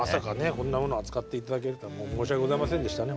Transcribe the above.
こんなもの扱っていただけるとは申し訳ございませんでしたね